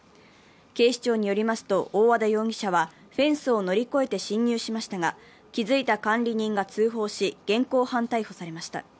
警視庁によりますと大和田容疑者は、フェンスを乗り越えて侵入しましたが、気付いた監理人が通報し現行犯逮捕されました。